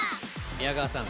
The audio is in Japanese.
宮川さん！